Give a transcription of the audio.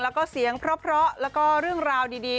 แล้วก็เสียงเพราะแล้วก็เรื่องราวดี